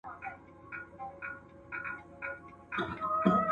د فکر ژورتيا تر سطحي فکر زياته مرسته کوي.